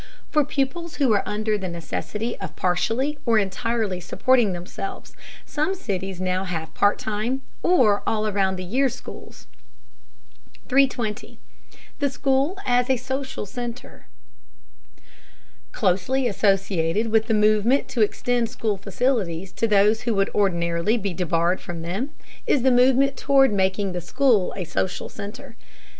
For pupils who are under the necessity of partially or entirely supporting themselves, some cities now have part time or all around the year schools. 320. THE SCHOOL AS A SOCIAL CENTER. Closely associated with the movement to extend school facilities to those who would ordinarily be debarred from them, is the movement toward making the school a social center.